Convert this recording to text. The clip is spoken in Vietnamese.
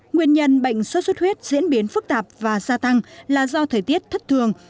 nguyên nhân bệnh sốt xuất huyết diễn biến phức tạp và gia tăng là do thời tiết thất thường